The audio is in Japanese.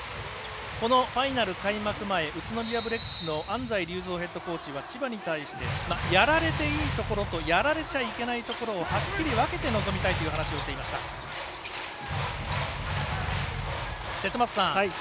このファイナル開幕前宇都宮ブレックスの安齋竜三ヘッドコーチは千葉に対してやられていいところとやられちゃいけないところをはっきり分けて臨みたいという話をしていました。